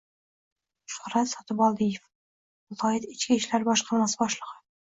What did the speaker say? Shuhrat Sotiboldiyev - viloyat ichki ishlar boshqarmasi boshlig'i;